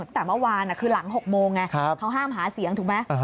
ตั้งแต่เมื่อวานคือหลัง๖โมงไงเขาห้ามหาเสียงถูกไหม